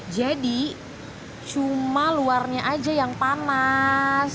jadi cuma luarnya aja yang panas